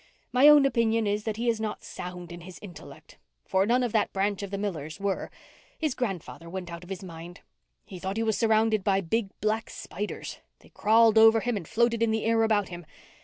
My own opinion is that he is not sound in his intellect, for none of that branch of the Millers were. His grandfather went out of his mind. He thought he was surrounded by big black spiders. They crawled over him and floated in the air about him.